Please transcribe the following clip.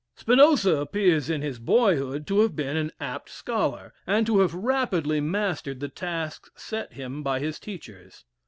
Spinoza appears in his boyhood to have been an apt scholar, and to have rapidly mastered the tasks set him by his teachers.